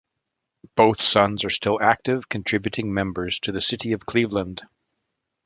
Both sons are still active contributing members to the city of Cleveland.